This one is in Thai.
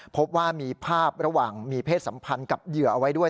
พบว่ามีภาพระหว่างมีเพศสัมพันธ์กับเหยื่อเอาไว้ด้วย